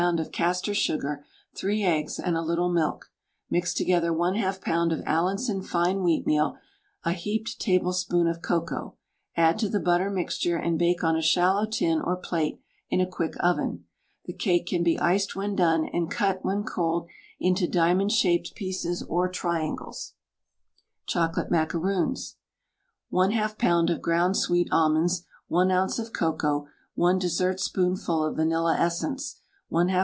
of castor sugar, 3 eggs, and a little milk. Mix together 1/2 lb. of Allinson fine wheatmeal, a heaped tablespoonful of cocoa. Add to the butter mixture, and bake on a shallow tin or plate in a quick oven. The cake can be iced when done, and cut, when cold, into diamond shaped pieces or triangles. CHOCOLATE MACAROONS. 1/2 lb. of ground sweet almonds, 1 oz. of cocoa, 1 dessertspoonful of vanilla essence, 1/2 lb.